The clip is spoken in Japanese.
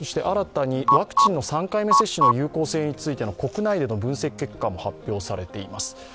新たにワクチンの３回目接種の有効性についての国内での分析結果も発表されています。